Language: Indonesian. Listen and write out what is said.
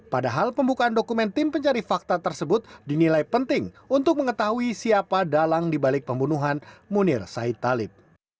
padahal pembukaan dokumen tim pencari fakta tersebut dinilai penting untuk mengetahui siapa dalang dibalik pembunuhan munir said talib